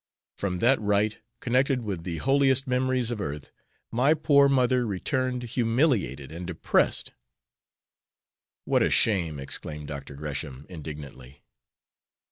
From that rite connected with the holiest memories of earth, my poor mother returned humiliated and depressed." "What a shame!" exclaimed Dr. Gresham, indignantly.